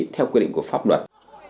theo quy định của pháp luật